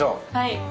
はい。